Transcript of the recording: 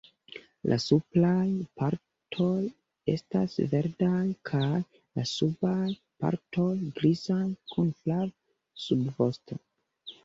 La supraj partoj estas verdaj kaj la subaj partoj grizaj, kun flava subvosto.